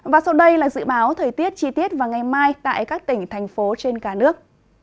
và sau đây là dự báo thời tiết chi tiết vào ngày mai tại các tỉnh thành phố trên cả nước